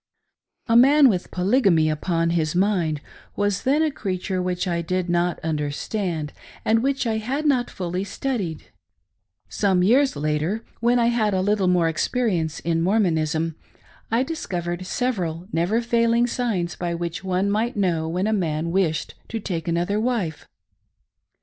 A man with Polygamy upon his mind was then a creature which I did not understand, and which I had not fully studied Some years later, when I had a little more eicperience jn Mor monism, I discovered several never failing signs by which one might know when a man wished to take another wife.